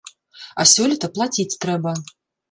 А сёлета плаціць трэба.